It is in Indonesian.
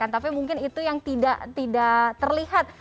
tapi mungkin itu yang tidak terlihat